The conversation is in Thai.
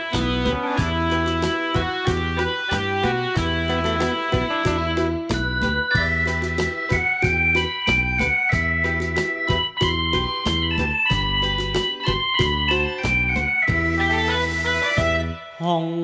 เหล่านี้มีใจ